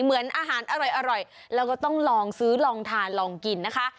เหมือนอาหารอร่อยแล้วก็ต้องลองซื้อลองทานลองกินนะคะ